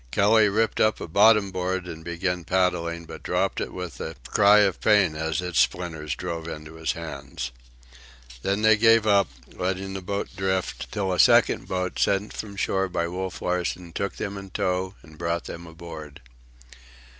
Kelly ripped up a bottom board and began paddling, but dropped it with a cry of pain as its splinters drove into his hands. Then they gave up, letting the boat drift till a second boat, sent from the shore by Wolf Larsen, took them in tow and brought them aboard.